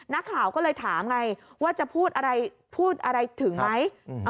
นักข่าวก็เลยถามไงว่าจะพูดอะไรพูดอะไรถึงไหม